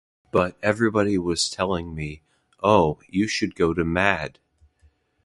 But everybody was telling me, 'Oh, you should go to "Mad".